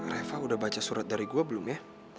reva udah baca surat dari gue belum ya